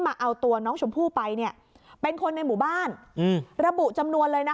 มาเอาตัวน้องชมพู่ไปเนี่ยเป็นคนในหมู่บ้านอืมระบุจำนวนเลยนะ